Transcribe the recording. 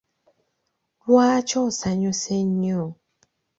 Lwaki osanyuse nnyo?